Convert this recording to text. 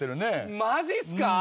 マジっすか？